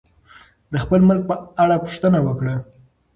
د خپل ملک په اړه پوښتنه وکړه.